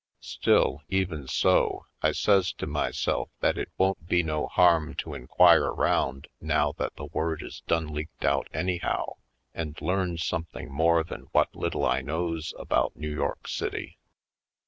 Still, even so, I says to my Down Yonder 23 self that it won't be no harm to inquire round now that the word is done leaked out anyhow, and learn something more than what little I knows about New York City.